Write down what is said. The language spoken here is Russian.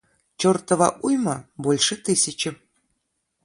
чертова уйма – больше тысячи.